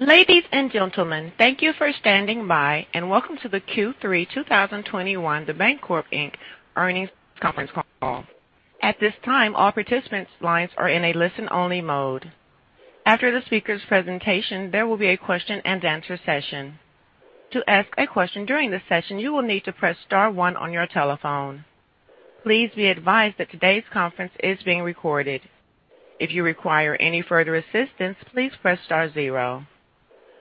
Ladies and gentlemen, thank you for standing by, and welcome to the Q3 2021 The Bancorp, Inc earnings conference call. At this time, all participants' lines are in a listen-only mode. After the speaker's presentation, there will be a question-and-answer session. To ask a question during the session, you will need to press star one on your telephone. Please be advised that today's conference is being recorded. If you require any further assistance, please press star zero.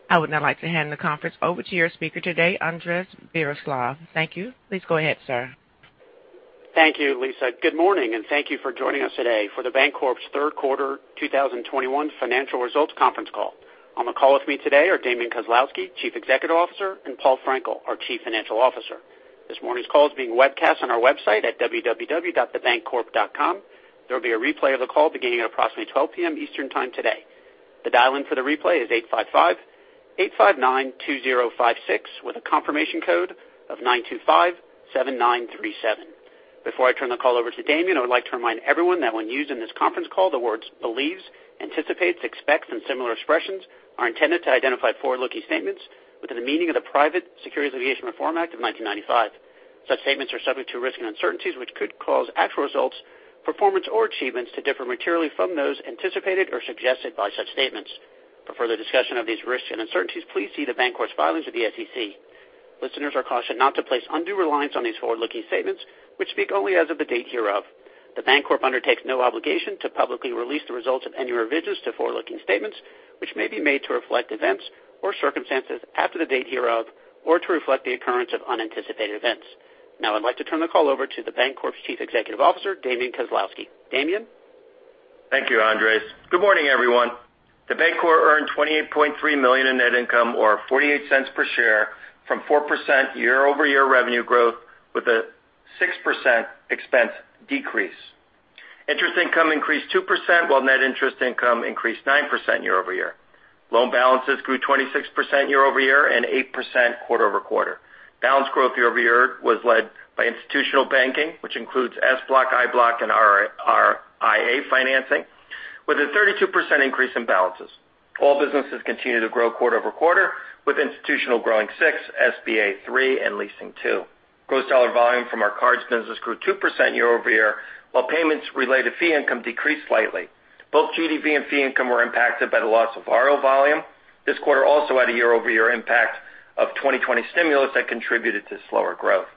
I would now like to hand the conference over to your speaker today, Andres Viroslav. Thank you. Please go ahead, sir. Thank you, Lisa. Good morning, and thank you for joining us today for The Bancorp's third quarter 2021 financial results conference call. On the call with me today are Damian Kozlowski, Chief Executive Officer, and Paul Frenkiel, our Chief Financial Officer. This morning's call is being webcast on our website at www.thebancorp.com. There will be a replay of the call beginning at approximately 12:00 P.M. Eastern Time today. The dial-in for the replay is 855-859-2056, with a confirmation code of 9257-937. Before I turn the call over to Damian, I would like to remind everyone that when used in this conference call, the words believes, anticipates, expects, and similar expressions are intended to identify forward-looking statements within the meaning of the Private Securities Litigation Reform Act of 1995. Such statements are subject to risks and uncertainties which could cause actual results, performance, or achievements to differ materially from those anticipated or suggested by such statements. For further discussion of these risks and uncertainties, please see The Bancorp's filings with the SEC. Listeners are cautioned not to place undue reliance on these forward-looking statements, which speak only as of the date hereof. The Bancorp undertakes no obligation to publicly release the results of any revisions to forward-looking statements, which may be made to reflect events or circumstances after the date hereof or to reflect the occurrence of unanticipated events. Now I'd like to turn the call over to The Bancorp's Chief Executive Officer, Damian Kozlowski. Damian? Thank you, Andres. Good morning, everyone. The Bancorp earned $28.3 million in net income, or $0.48 per share, from 4% year-over-year revenue growth with a 6% expense decrease. Interest income increased 2%, while net interest income increased 9% year-over-year. Loan balances grew 26% year-over-year and 8% quarter-over-quarter. Balance growth year-over-year was led by institutional banking, which includes SBLOC, IBLOC, and RIA financing, with a 32% increase in balances. All businesses continue to grow quarter-over-quarter, with institutional growing 6%, SBA 3%, and leasing 2%. Gross dollar volume from our cards business grew 2% year-over-year, while payments-related fee income decreased slightly. Both GDV and fee income were impacted by the loss of RO volume. This quarter also had a year-over-year impact of 2020 stimulus that contributed to slower growth.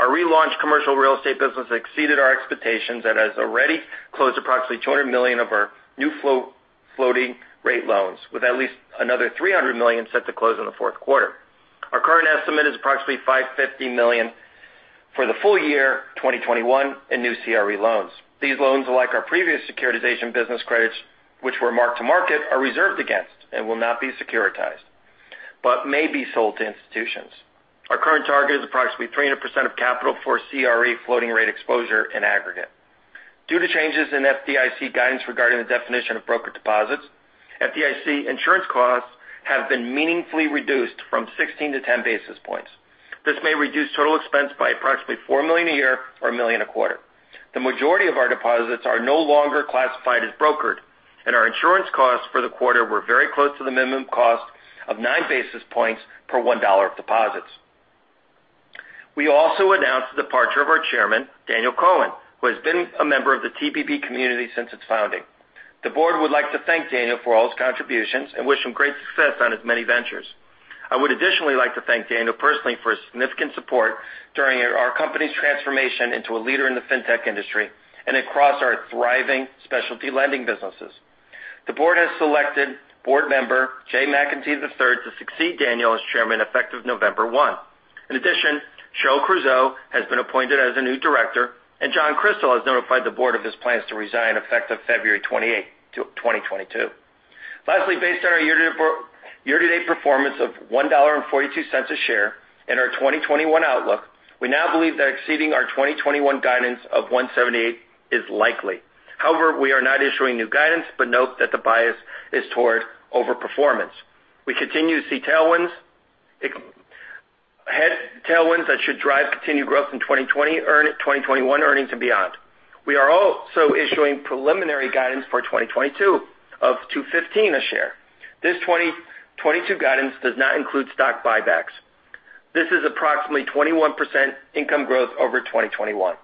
Our relaunched commercial real estate business exceeded our expectations and has already closed approximately $200 million of our new floating-rate loans, with at least another $300 million set to close in the fourth quarter. Our current estimate is approximately $550 million for the full year 2021 in new CRE loans. These loans, like our previous securitization business credits, which were marked to market, are reserved against and will not be securitized but may be sold to institutions. Our current target is approximately 300% of capital for CRE floating rate exposure in aggregate. Due to changes in FDIC guidance regarding the definition of brokered deposits, FDIC insurance costs have been meaningfully reduced from 16 to 10 basis points. This may reduce total expense by approximately $4 million a year or $1 million a quarter. The majority of our deposits are no longer classified as brokered, and our insurance costs for the quarter were very close to the minimum cost of 9 basis points per $1 of deposits. We also announced the departure of our Chairman, Daniel Cohen, who has been a member of the TBB community since its founding. The board would like to thank Daniel for all his contributions and wish him great success on his many ventures. I would additionally like to thank Daniel personally for his significant support during our company's transformation into a leader in the fintech industry and across our thriving specialty lending businesses. The board has selected board member Jay McEntee III to succeed Daniel as chairman, effective November 1. In addition, Cheryl Creuzot has been appointed as a new director, and John C. Chrystal has notified the board of his plans to resign, effective February 28, 2022. Lastly, based on our year-to-date performance of $1.42 a share and our 2021 outlook, we now believe that exceeding our 2021 guidance of $1.78 is likely. However, we are not issuing new guidance but note that the bias is toward overperformance. We continue to see tailwinds that should drive continued growth in 2021 earnings and beyond. We are also issuing preliminary guidance for 2022 of $2.15 a share. This 2022 guidance does not include stock buybacks. This is approximately 21% income growth over 2021.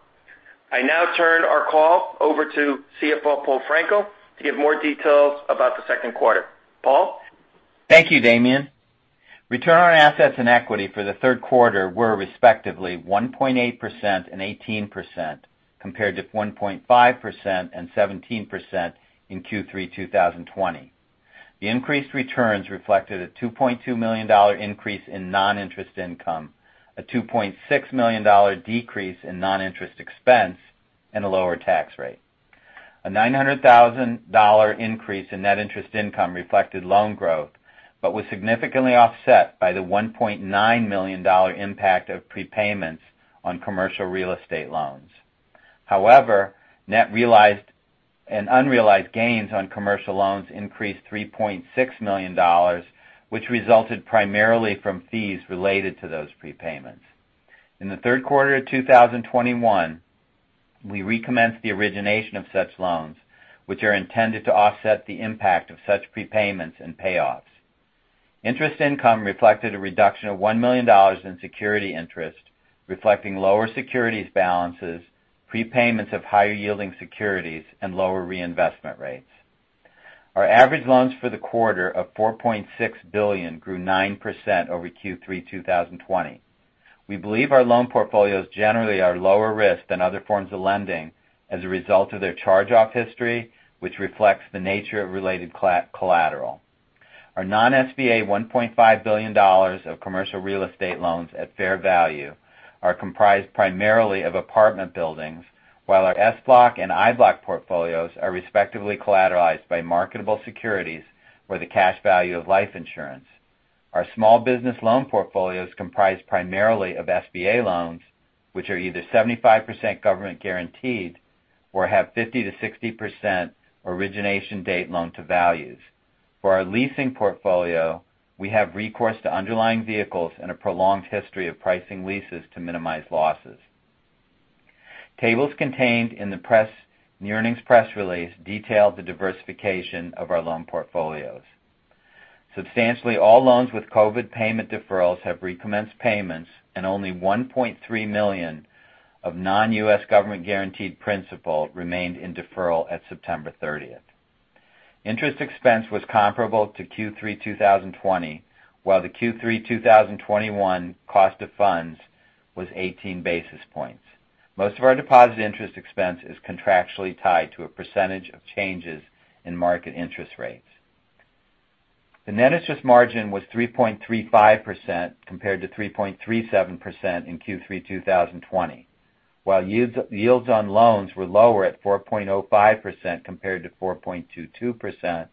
I now turn our call over to CFO Paul Frenkiel to give more details about the second quarter. Paul? Thank you, Damian. Return on assets and equity for the third quarter were respectively 1.8% and 18%, compared to 1.5% and 17% in Q3 2020. The increased returns reflected a $2.2 million increase in non-interest income, a $2.6 million decrease in non-interest expense, and a lower tax rate. A $900,000 increase in Net Interest Income reflected loan growth but was significantly offset by the $1.9 million impact of prepayments on commercial real estate loans. However, net realized and unrealized gains on commercial loans increased $3.6 million, which resulted primarily from fees related to those prepayments. In the third quarter of 2021 We recommenced the origination of such loans, which are intended to offset the impact of such prepayments and payoffs. Interest income reflected a reduction of $1 million in security interest, reflecting lower securities balances, prepayments of higher-yielding securities, and lower reinvestment rates. Our average loans for the quarter of $4.6 billion grew 9% over Q3 2020. We believe our loan portfolios generally are lower risk than other forms of lending as a result of their charge-off history, which reflects the nature of related collateral. Our non-SBA $1.5 billion of commercial real estate loans at fair value are comprised primarily of apartment buildings, while our SBLOC and IBLOC portfolios are respectively collateralized by marketable securities or the cash value of life insurance. Our small business loan portfolio is comprised primarily of SBA loans, which are either 75% government-guaranteed or have 50%-60% origination date loan-to-values. For our leasing portfolio, we have recourse to underlying vehicles and a prolonged history of pricing leases to minimize losses. Tables contained in the earnings press release detailed the diversification of our loan portfolios. Substantially all loans with COVID payment deferrals have recommenced payments, and only $1.3 million of non-U.S. government-guaranteed principal remained in deferral at September 30. Interest expense was comparable to Q3 2020, while the Q3 2021 cost of funds was 18 basis points. Most of our deposit interest expense is contractually tied to a percentage of changes in market interest rates. The Net Interest Margin was 3.35% compared to 3.37% in Q3 2020. While yields on loans were lower at 4.05% compared to 4.22%,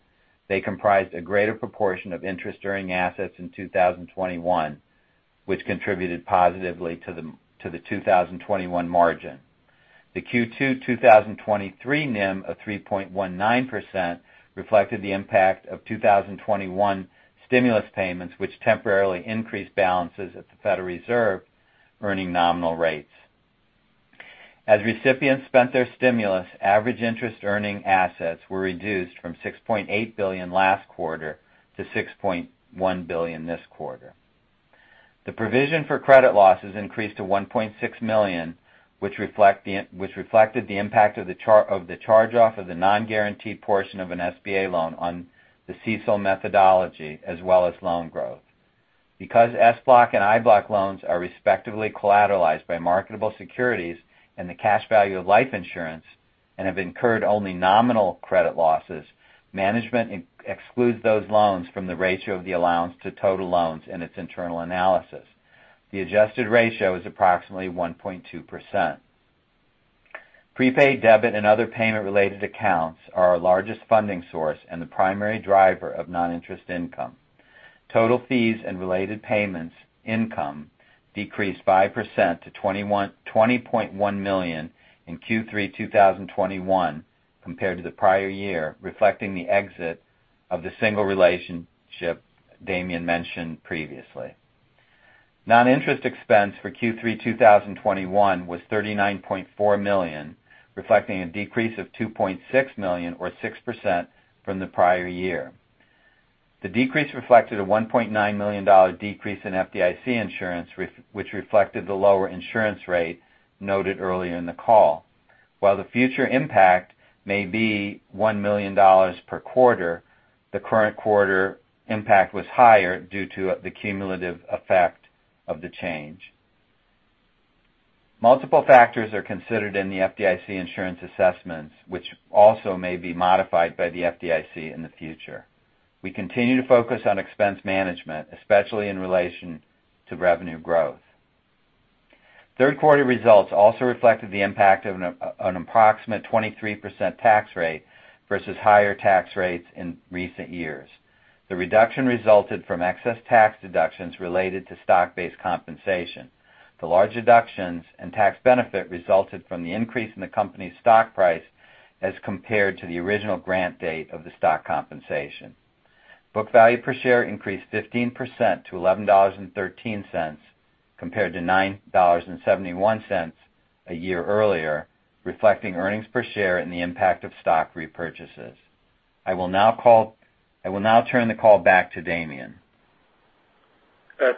they comprised a greater proportion of interest-earning assets in 2021, which contributed positively to the 2021 margin. The Q2 2021 NIM of 3.19% reflected the impact of 2021 stimulus payments, which temporarily increased balances at the Federal Reserve earning nominal rates. As recipients spent their stimulus, average interest-earning assets were reduced from $6.8 billion last quarter to $6.1 billion this quarter. The provision for credit losses increased to $1.6 million, which reflected the impact of the charge-off of the non-guaranteed portion of an SBA loan on the CECL methodology as well as loan growth. Because SBLOC and IBLOC loans are respectively collateralized by marketable securities and the cash value of life insurance and have incurred only nominal credit losses, management excludes those loans from the ratio of the allowance to total loans in its internal analysis. The adjusted ratio is approximately 1.2%. Prepaid debit and other payment-related accounts are our largest funding source and the primary driver of non-interest income. Total fees and related payments income decreased by 20% to $20.1 million in Q3 2021 compared to the prior year, reflecting the exit of the single relationship Damian mentioned previously. Non-interest expense for Q3 2021 was $39.4 million, reflecting a decrease of $2.6 million or 6% from the prior year. The decrease reflected a $1.9 million decrease in FDIC insurance, which reflected the lower insurance rate noted earlier in the call. While the future impact may be $1 million per quarter, the current quarter impact was higher due to the cumulative effect of the change. Multiple factors are considered in the FDIC insurance assessments, which also may be modified by the FDIC in the future. We continue to focus on expense management, especially in relation to revenue growth. Third quarter results also reflected the impact of an approximate 23% tax rate versus higher tax rates in recent years. The reduction resulted from excess tax deductions related to stock-based compensation. The large deductions and tax benefit resulted from the increase in the company's stock price as compared to the original grant date of the stock compensation. Book value per share increased 15% to $11.13 compared to $9.71 a year earlier, reflecting earnings per share and the impact of stock repurchases. I will now turn the call back to Damian.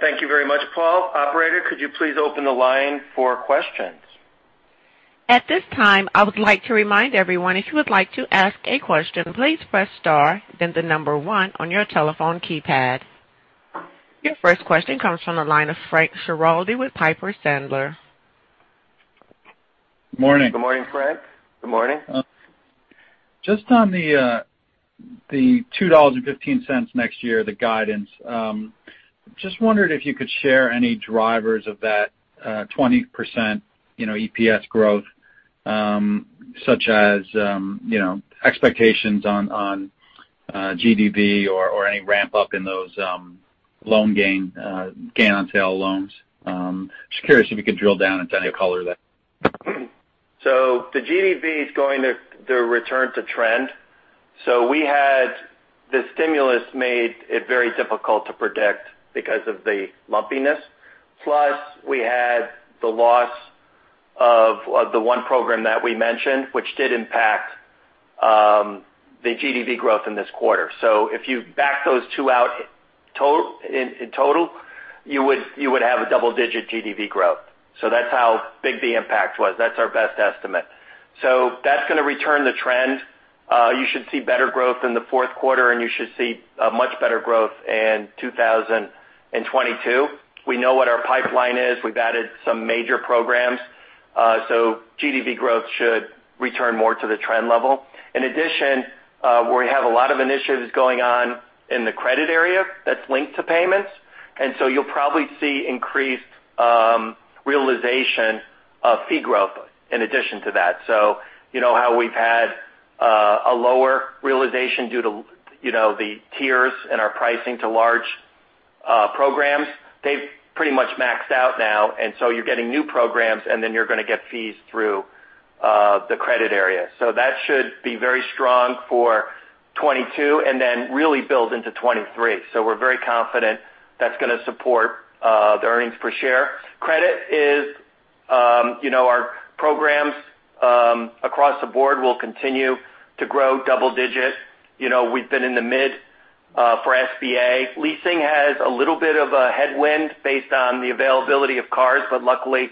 Thank you very much, Paul. Operator, could you please open the line for questions? At this time, I would like to remind everyone if you would like to ask a question, please press star then the number one on your telephone keypad. Your first question comes from the line of Frank Schiraldi with Piper Sandler. Morning. Good morning, Frank. Good morning. Just on the $2.15 next year, the guidance, just wondered if you could share any drivers of that 20% EPS growth, such as, you know, expectations on GDV or any ramp-up in those gain on sale loans. Just curious if you could drill down into any color there. The GDV is going to return to trend. We had just made it very difficult to predict because of the lumpiness. Plus, we had the loss of the one program that we mentioned, which did impact the GDV growth in this quarter. If you back those two out, in total, you would have a double-digit GDV growth. That's how big the impact was. That's our best estimate. That's gonna return to the trend. You should see better growth in the fourth quarter, and you should see a much better growth in 2022. We know what our pipeline is. We've added some major programs. GDV growth should return more to the trend level. In addition, we have a lot of initiatives going on in the credit area that's linked to payments. You'll probably see increased realization of fee growth in addition to that. You know how we've had a lower realization due to, you know, the tiers in our pricing to large programs? They've pretty much maxed out now, and so you're getting new programs, and then you're gonna get fees through the credit area. That should be very strong for 2022, and then really build into 2023. We're very confident that's gonna support the earnings per share. Credit is. You know, our programs across the board will continue to grow double digit. You know, we've been in the mid for SBA. Leasing has a little bit of a headwind based on the availability of cars, but luckily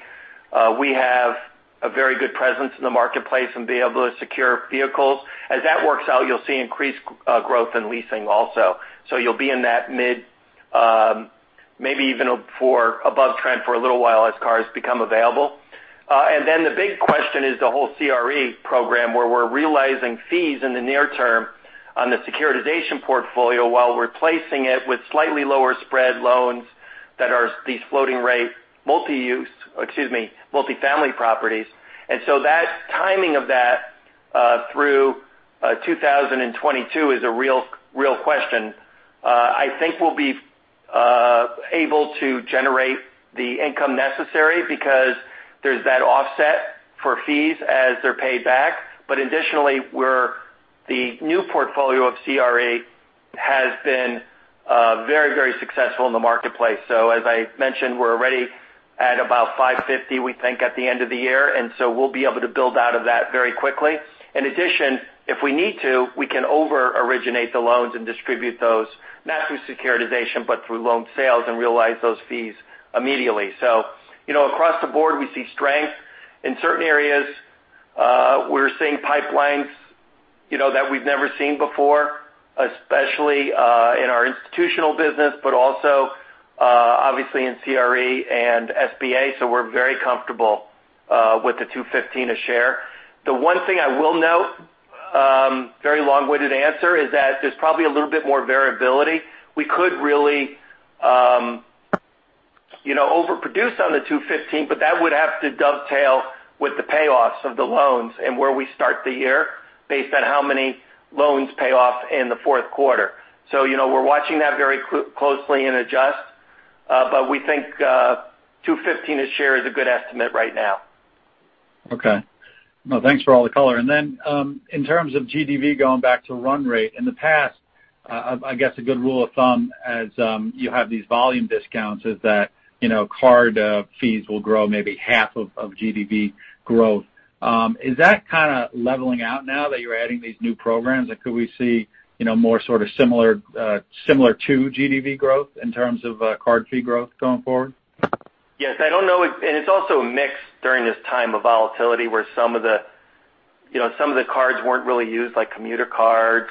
we have a very good presence in the marketplace and be able to secure vehicles. As that works out, you'll see increased growth in leasing also. You'll be in that mid, maybe even four above trend for a little while as cars become available. Then the big question is the whole CRE program, where we're realizing fees in the near term on the securitization portfolio while replacing it with slightly lower spread loans that are these floating rate multifamily properties. That timing of that through 2022 is a real question. I think we'll be able to generate the income necessary because there's that offset for fees as they're paid back. Additionally, the new portfolio of CRE has been very successful in the marketplace. As I mentioned, we're already at about $550 million, we think, at the end of the year. We'll be able to build out of that very quickly. In addition, if we need to, we can over originate the loans and distribute those, not through securitization, but through loan sales and realize those fees immediately. You know, across the board, we see strength. In certain areas, we're seeing pipelines, you know, that we've never seen before, especially in our institutional business, but also obviously in CRE and SBA. We're very comfortable with the $2.15 a share. The one thing I will note, very long-winded answer, is that there's probably a little bit more variability. We could really, you know, overproduce on the $2.15, but that would have to dovetail with the payoffs of the loans and where we start the year based on how many loans pay off in the fourth quarter. You know, we're watching that very closely and adjust. We think $2.15 a share is a good estimate right now. Okay. No, thanks for all the color. Then, in terms of GDV going back to run rate, in the past, I guess a good rule of thumb as you have these volume discounts is that, you know, card fees will grow maybe half of GDV growth. Is that kinda leveling out now that you're adding these new programs? Like, could we see, you know, more sort of similar to GDV growth in terms of card fee growth going forward? Yes. It's also a mix during this time of volatility, where some of the, you know, some of the cards weren't really used, like commuter cards.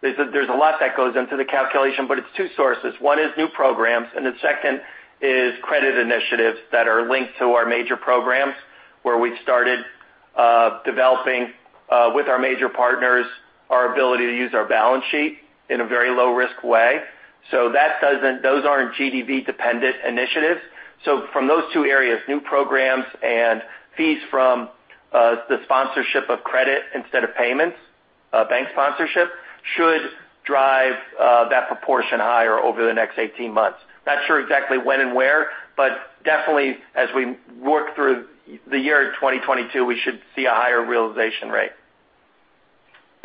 There's a lot that goes into the calculation, but it's two sources. One is new programs, and the second is credit initiatives that are linked to our major programs, where we've started developing with our major partners our ability to use our balance sheet in a very low-risk way. Those aren't GDV-dependent initiatives. From those two areas, new programs and fees from the sponsorship of credit instead of payments, bank sponsorship should drive that proportion higher over the next 18 months. Not sure exactly when and where, but definitely as we work through the year 2022, we should see a higher realization rate.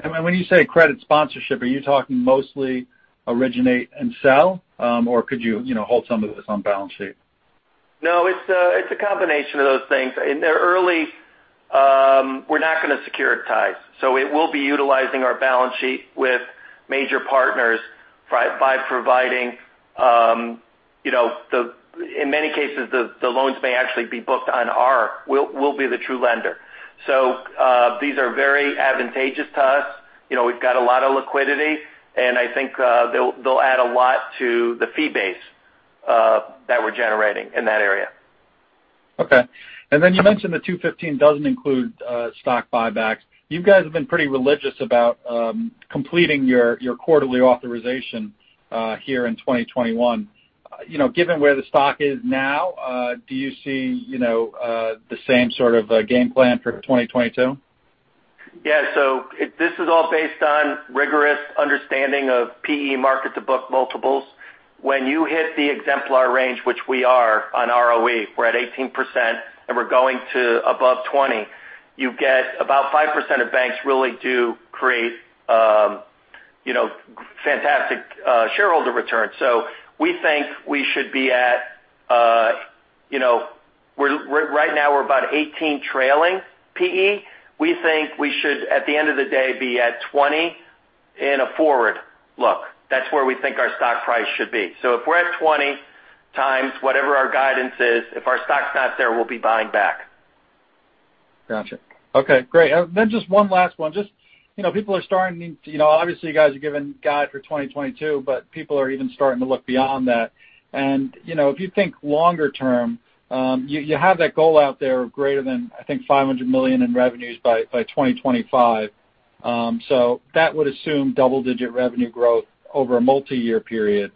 When you say credit sponsorship, are you talking mostly originate and sell? Or could you know, hold some of this on balance sheet? No, it's a combination of those things. We're not gonna securitize. So it will be utilizing our balance sheet with major partners by providing, you know. In many cases, the loans may actually be booked on our. We'll be the true lender. So, these are very advantageous to us. You know, we've got a lot of liquidity, and I think, they'll add a lot to the fee base that we're generating in that area. Okay. You mentioned the $2.15 doesn't include stock buybacks. You guys have been pretty religious about completing your quarterly authorization here in 2021. You know, given where the stock is now, do you see, you know, the same sort of game plan for 2022? Yeah. This is all based on rigorous understanding of PE market-to-book multiples. When you hit the exemplar range, which we are on ROE, we're at 18%, and we're going to above 20%. You get about 5% of banks really do create, you know, fantastic shareholder returns. We think we should be at, you know, we're right now about 18x trailing PE. We think we should, at the end of the day, be at 20x in a forward look. That's where we think our stock price should be. If we're at 20x whatever our guidance is, if our stock's not there, we'll be buying back. Gotcha. Okay, great. Then just one last one. Just, you know, people are starting to, you know, obviously, you guys are giving guide for 2022, but people are even starting to look beyond that. You know, if you think longer term, you have that goal out there of greater than, I think, $500 million in revenues by 2025. That would assume double-digit revenue growth over a multiyear period.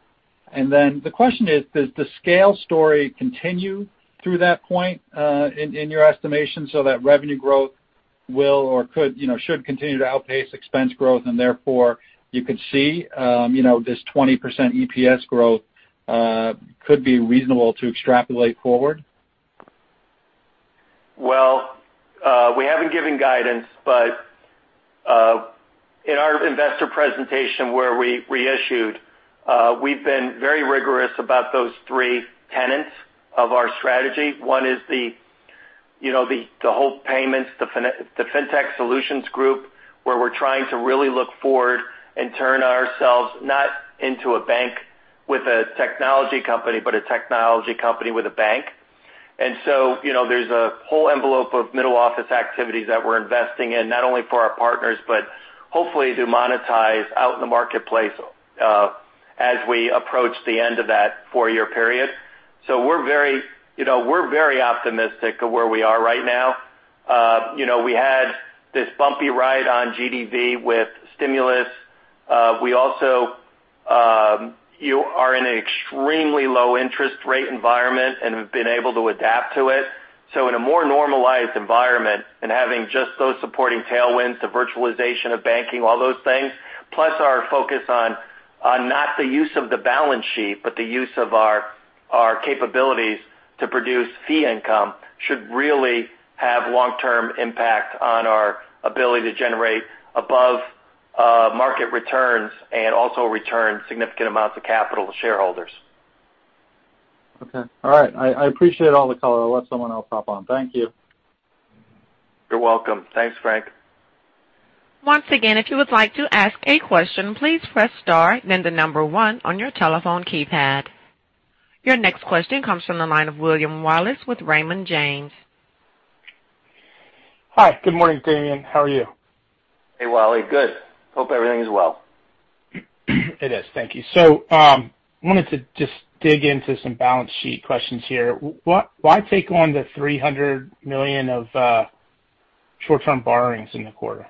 Then the question is, does the scale story continue through that point, in your estimation, so that revenue growth will or could, you know, should continue to outpace expense growth, and therefore you could see, you know, this 20% EPS growth, could be reasonable to extrapolate forward? Well, we haven't given guidance, but in our investor presentation where we reissued, we've been very rigorous about those three tenets of our strategy. One is you know, the whole payments, the Fintech Solutions group, where we're trying to really look forward and turn ourselves not into a bank with a technology company, but a technology company with a bank. You know, there's a whole envelope of middle office activities that we're investing in, not only for our partners, but hopefully to monetize out in the marketplace, as we approach the end of that four-year period. We're very, you know, optimistic of where we are right now. You know, we had this bumpy ride on GDV with stimulus. We are in an extremely low interest rate environment and have been able to adapt to it. In a more normalized environment and having just those supporting tailwinds, the virtualization of banking, all those things, plus our focus on not the use of the balance sheet, but the use of our capabilities to produce fee income should really have long-term impact on our ability to generate above market returns and also return significant amounts of capital to shareholders. Okay. All right. I appreciate all the color. I'll let someone else hop on. Thank you. You're welcome. Thanks, Frank. Once again if you would like to ask a question please press star then the number one on your telephone keypad. Your next question comes from the line of William Wallace with Raymond James. Hi. Good morning, Damian. How are you? Hey, Wally. Good. Hope everything is well. It is. Thank you. Wanted to just dig into some balance sheet questions here. Why take on the $300 million of short-term borrowings in the quarter?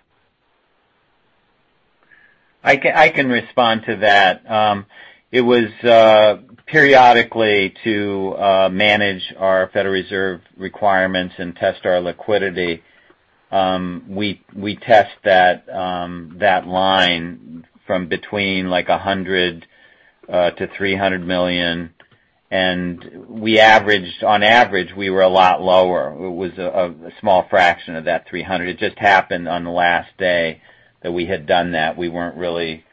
I can respond to that. It was periodically to manage our Federal Reserve requirements and test our liquidity. We test that line from between, like, $100 million to $300 million, and on average, we were a lot lower. It was a small fraction of that $300 million. It just happened on the last day that we had done that. We weren't really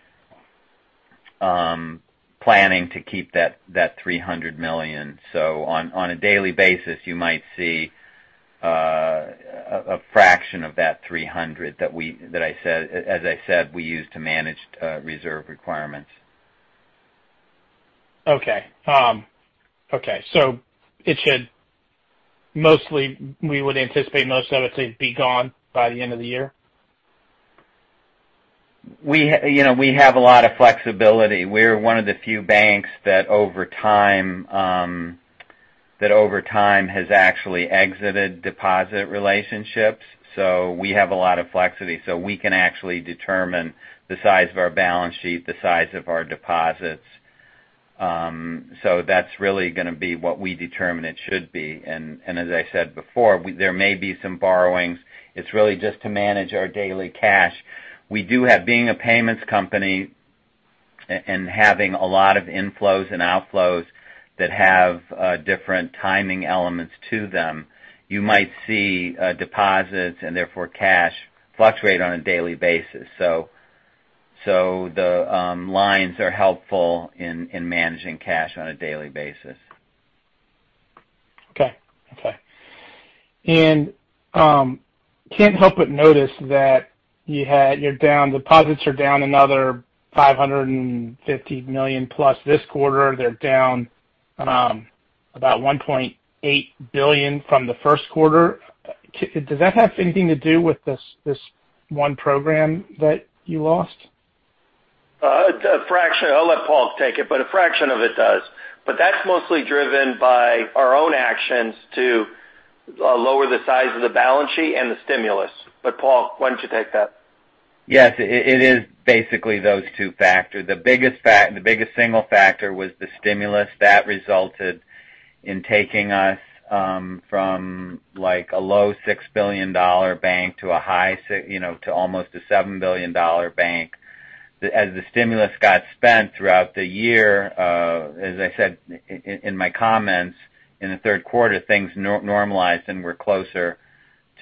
planning to keep that $300 million. On a daily basis, you might see a fraction of that $300 million that I said, as I said, we use to manage reserve requirements. Okay. We would anticipate most of it to be gone by the end of the year? You know, we have a lot of flexibility. We're one of the few banks that over time has actually exited deposit relationships. We have a lot of flexibility. We can actually determine the size of our balance sheet, the size of our deposits. That's really gonna be what we determine it should be. As I said before, there may be some borrowings. It's really just to manage our daily cash. We do have, being a payments company and having a lot of inflows and outflows that have different timing elements to them, you might see deposits and therefore cash fluctuate on a daily basis. The lines are helpful in managing cash on a daily basis. Okay. Can't help but notice that deposits are down another $550+ million this quarter. They're down about $1.8 billion from the first quarter. Could that have anything to do with this one program that you lost? A fraction. I'll let Paul take it, but a fraction of it does. That's mostly driven by our own actions to lower the size of the balance sheet and the stimulus. Paul, why don't you take that? Yes, it is basically those two factors. The biggest single factor was the stimulus that resulted in taking us from, like, a low $6 billion bank to a high $6 to almost a $7 billion bank. As the stimulus got spent throughout the year, as I said in my comments in the third quarter, things normalized and we're closer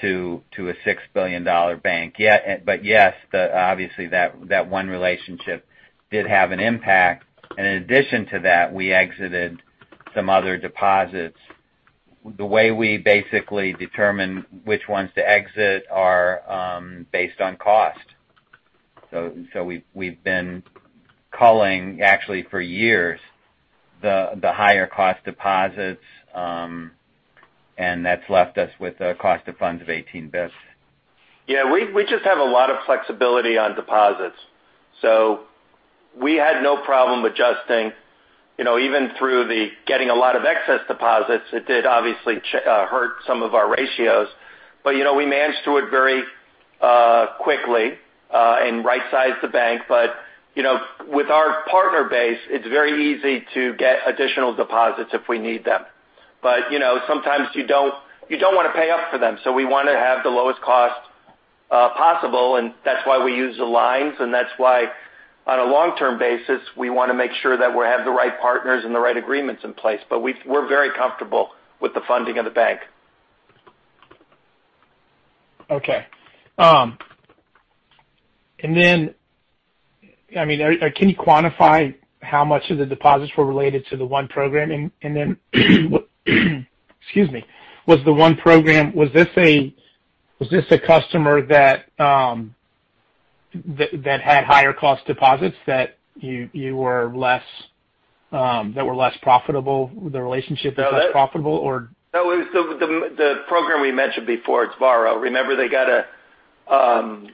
to a $6 billion bank. Yeah, but yes, obviously that one relationship did have an impact. In addition to that, we exited some other deposits. The way we basically determine which ones to exit are based on cost. We've been culling actually for years the higher cost deposits, and that's left us with a cost of funds of 18 basis points. Yeah, we just have a lot of flexibility on deposits. We had no problem adjusting, you know, even through the getting a lot of excess deposits. It did obviously hurt some of our ratios. You know, we managed through it very quickly and right-sized the bank. You know, with our partner base, it's very easy to get additional deposits if we need them. You know, sometimes you don't wanna pay up for them, so we wanna have the lowest cost possible, and that's why we use the lines, and that's why on a long-term basis, we wanna make sure that we have the right partners and the right agreements in place. We're very comfortable with the funding of the bank. Okay. I mean, can you quantify how much of the deposits were related to the one program? Excuse me. Was this a customer that had higher cost deposits that were less profitable? The relationship was less profitable, or? No, it was the program we mentioned before. It's Varo. Remember they got a.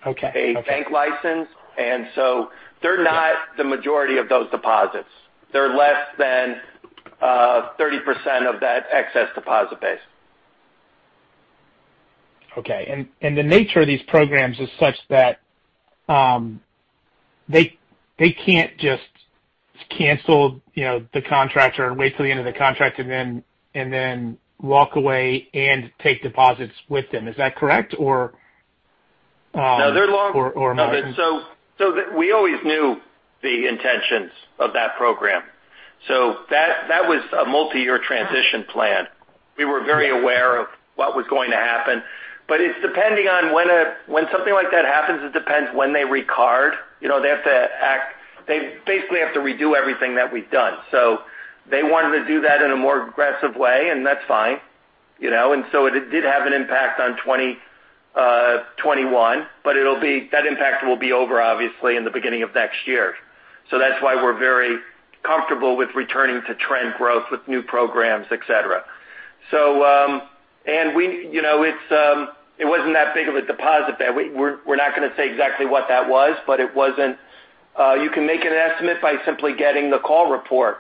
Okay. A bank license, they're not the majority of those deposits. They're less than 30% of that excess deposit base. The nature of these programs is such that they can't just cancel, you know, the contract or wait till the end of the contract and then walk away and take deposits with them. Is that correct? Or. No, they're long. Or, or am I. No, but we always knew the intentions of that program. That was a multi-year transition plan. We were very aware of what was going to happen. It's depending on when something like that happens. It depends when they recard. You know, they have to act. They basically have to redo everything that we've done. They wanted to do that in a more aggressive way, and that's fine, you know. It did have an impact on 2021, but that impact will be over obviously in the beginning of next year. That's why we're very comfortable with returning to trend growth with new programs, et cetera. We, you know, it wasn't that big of a deposit that we were. We're not gonna say exactly what that was, but it wasn't. You can make an estimate by simply getting the call report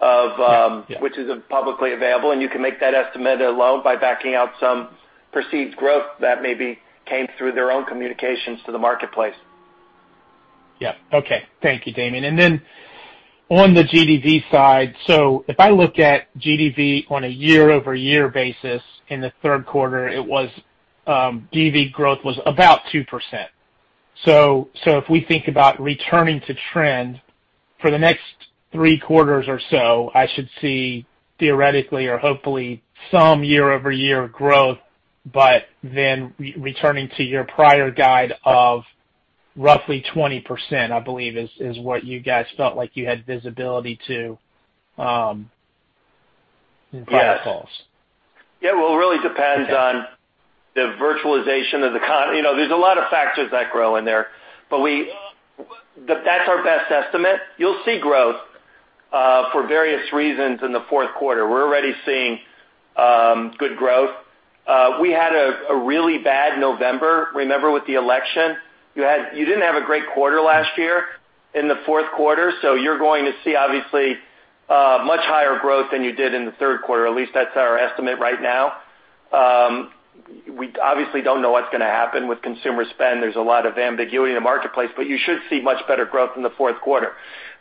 of. Yeah. Which is publicly available, and you can make that estimate alone by backing out some perceived growth that maybe came through their own communications to the marketplace. Yeah. Okay. Thank you, Damian. Then on the GDV side. If I look at GDV on a year-over-year basis in the third quarter, it was, GDV growth was about 2%. If we think about returning to trend for the next three quarters or so, I should see theoretically or hopefully some year-over-year growth, but then returning to your prior guide of roughly 20%, I believe is what you guys felt like you had visibility to, in private calls. Yes. Yeah. Well, it really depends on the virtualization. You know, there's a lot of factors that go in there, but that's our best estimate. You'll see growth for various reasons in the fourth quarter. We're already seeing good growth. We had a really bad November, remember with the election. You didn't have a great quarter last year in the fourth quarter, so you're going to see obviously much higher growth than you did in the third quarter. At least that's our estimate right now. We obviously don't know what's gonna happen with consumer spend. There's a lot of ambiguity in the marketplace, but you should see much better growth in the fourth quarter.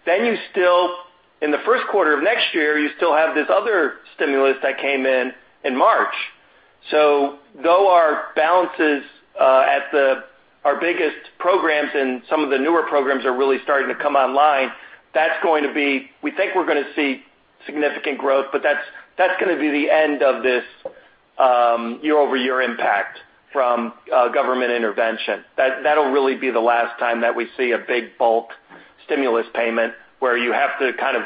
In the first quarter of next year, you still have this other stimulus that came in in March. Though our balances, our biggest programs and some of the newer programs are really starting to come online, we think we're gonna see significant growth, but that's gonna be the end of this year-over-year impact from government intervention. That'll really be the last time that we see a big bulk stimulus payment where you have to kind of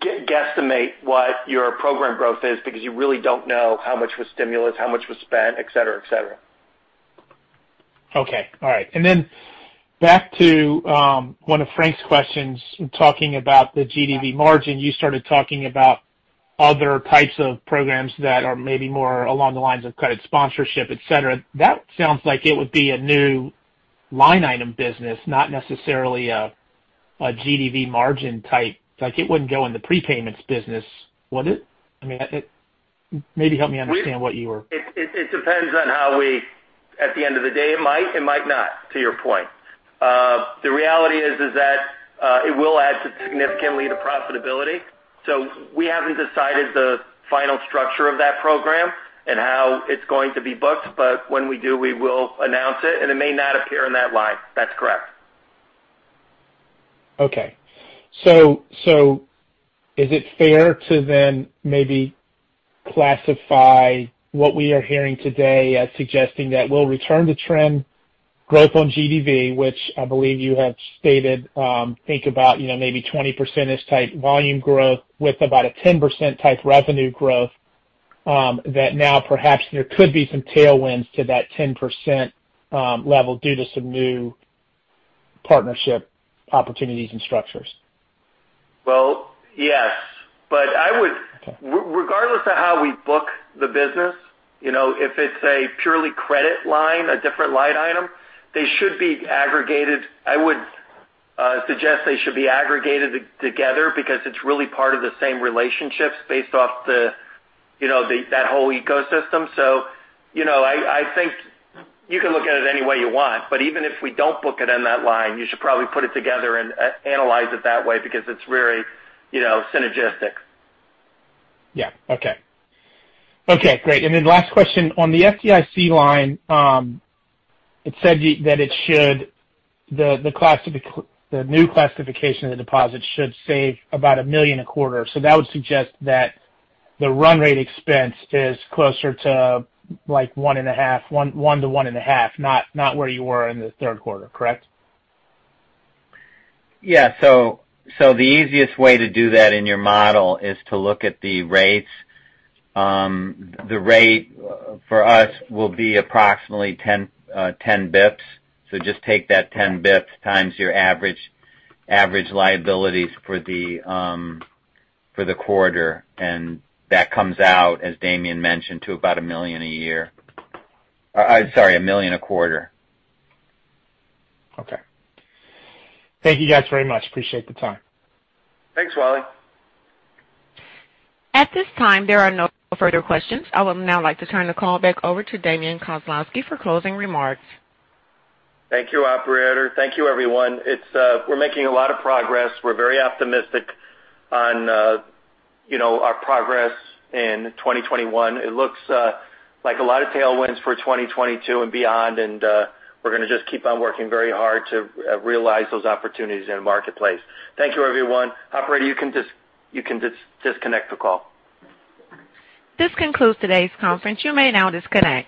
guesstimate what your program growth is because you really don't know how much was stimulus, how much was spent, et cetera, et cetera. Okay. All right. Back to one of Frank's questions, talking about the GDV margin. You started talking about other types of programs that are maybe more along the lines of Credit Sponsorship, et cetera. That sounds like it would be a new line item business, not necessarily a GDV margin type. Like, it wouldn't go in the prepayments business, would it? I mean, maybe help me understand what you were. It depends. At the end of the day, it might not, to your point. The reality is that it will add significantly to profitability. We haven't decided the final structure of that program and how it's going to be booked, but when we do, we will announce it, and it may not appear in that line. That's correct. Is it fair to then maybe classify what we are hearing today as suggesting that we'll return to trend growth on GDV, which I believe you have stated, think about, you know, maybe 20%-ish type volume growth with about a 10% type revenue growth, that now perhaps there could be some tailwinds to that 10%, level due to some new partnership opportunities and structures? Yes, but I would regardless of how we book the business, you know, if it's a purely credit line, a different line item, they should be aggregated. I would suggest they should be aggregated together because it's really part of the same relationships based off the, you know, that whole ecosystem. You know, I think you can look at it any way you want, but even if we don't book it in that line, you should probably put it together and analyze it that way because it's very, you know, synergistic. Okay, great. Last question. On the FDIC line, it said that the new classification of the deposit should save about $1 million a quarter. That would suggest that the run rate expense is closer to, like, $1 million-$1.5 million, not where you were in the third quarter, correct? The easiest way to do that in your model is to look at the rates. The rate for us will be approximately 10 basis points. Just take that 10 basis points times your average liabilities for the quarter, and that comes out, as Damian mentioned, to about $1 million a quarter. Okay. Thank you guys very much. Appreciate the time. Thanks, Wally. At this time, there are no further questions. I would now like to turn the call back over to Damian Kozlowski for closing remarks. Thank you, operator. Thank you, everyone. It's we're making a lot of progress. We're very optimistic on, you know, our progress in 2021. It looks like a lot of tailwinds for 2022 and beyond, and we're gonna just keep on working very hard to realize those opportunities in the marketplace. Thank you, everyone. Operator, you can disconnect the call. This concludes today's conference. You may now disconnect.